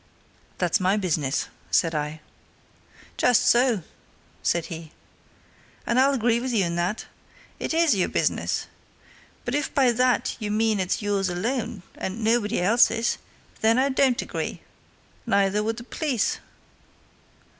Um?" "That's my business!" said I "Just so," said he. "And I'll agree with you in that. It is your business. But if by that you mean that it's yours alone, and nobody else's, then I don't agree. Neither would the police."